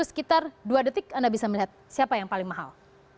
sekitar dua detik anda bisa melihat siapa yang paling mahal